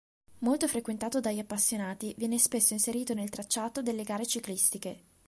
Molto frequentato dagli appassionati, viene spesso inserito nel tracciato della gare ciclistiche.